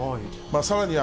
さらには